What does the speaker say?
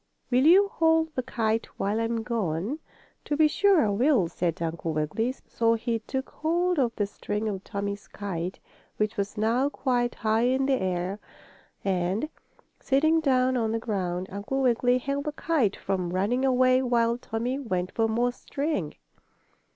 Will you hold the kite while I'm gone?" "To be sure I will," said Uncle Wiggily. So he took hold of the string of Tommie's kite, which was now quite high in the air. And, sitting down on the ground, Uncle Wiggily held the kite from running away while Tommie went for more string.